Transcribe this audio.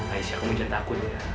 aisyah kamu jangan takut ya